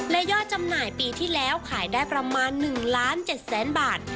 และยอดจำหน่ายปีที่แล้วขายได้ประมาณ๑ล้าน๗แสนบาท